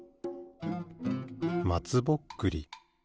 まつぼっくり。